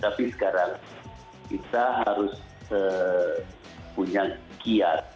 tapi sekarang kita harus punya kiat